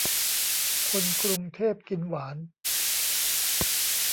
คนกรุงเทพกินหวาน